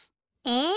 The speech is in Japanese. え！